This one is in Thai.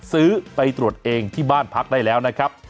ไปตรวจเองที่บ้านพักได้แล้วนะครับ